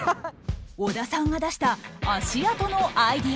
小田さんが出した「足跡」のアイデア。